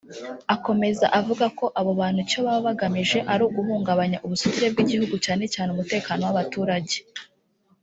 Akomeza avuga ko abo bantu icyo baba bagamije ari uguhungabanya ubusugire bw’igihugu cyane cyane umutekano w’abaturage